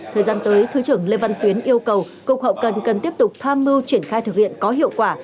thời gian tới thứ trưởng lê văn tuyến yêu cầu cục hậu cần cần tiếp tục tham mưu triển khai thực hiện có hiệu quả